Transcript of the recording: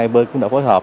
hai bên cũng đã phối hợp